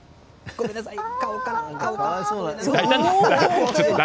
ごめんなさい！